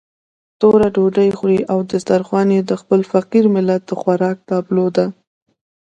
توره ډوډۍ خوري او دسترخوان يې د خپل فقير ملت د خوراک تابلو ده.